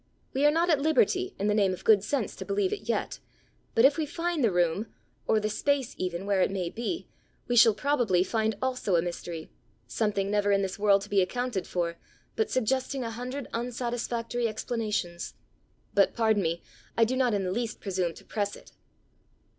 We are not at liberty, in the name of good sense, to believe it yet. But if we find the room, or the space even where it may be, we shall probably find also a mystery something never in this world to be accounted for, but suggesting a hundred unsatisfactory explanations. But, pardon me, I do not in the least presume to press it."